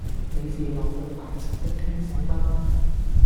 你是落入凡塵的天使嗎？